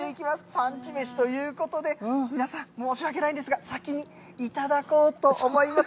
産地めしということで、皆さん、申し訳ないんですが、先に頂こうと思います。